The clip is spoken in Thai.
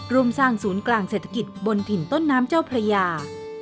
ร่วมสร้างศูนย์กลางเศรษฐกิจบนถิ่นต้นน้ำเจ้าพระยา